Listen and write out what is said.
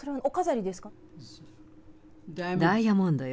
それ、ダイヤモンドよ。